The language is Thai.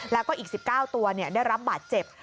แล้วก็อีก๑๙ตัวได้รับบาดเจ็บ